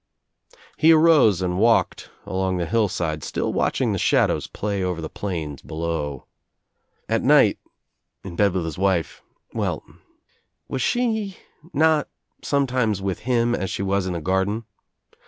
He arose and walked along the hillside, still watch ing the shadows play over the plains below. At night — in bed with his wife — well, was she not sometimes with him as she was in the garden?